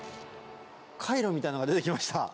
かいろみたいなのが出てきました。